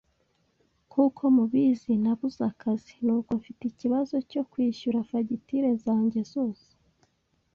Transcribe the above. Nkuko mubizi, nabuze akazi, nuko mfite ikibazo cyo kwishyura fagitire zanjye zose.